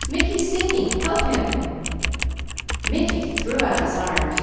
Mickey's sinking! Help him!" Mickey threw out his arms.